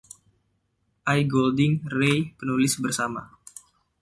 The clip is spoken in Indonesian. I. Goulding, Ray, Penulis bersama.